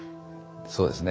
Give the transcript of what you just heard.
そうですね。